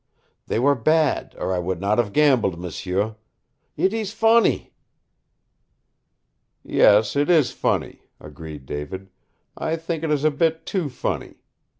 They were bad, or I would not have gambled, m'sieu. It ees fonny!" "Yes, it is funny," agreed David. "I think it is a bit too funny.